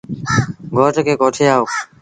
گھوٽ کي ڪوٺي آئو۔